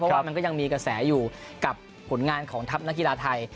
เพราะว่ามันก็ยังมีกระแสอยู่กับผลงานของทัพนักกีฬาไทย